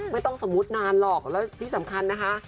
ไม่ต้องสมมุตินานหรอกแล้วที่สำคัญนะคะ